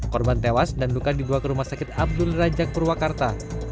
korban tewas dan luka dibawa ke rumah sakit abdul rajak purwakarta